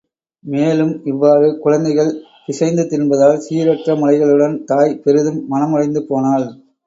மேலும் இவ்வாறு குழந்தைகள் பிசைந்து தின்பதால் சீர் அற்ற முலைகளுடன் தாய் பெரிதும் மனம் உடைந்து போனாள்.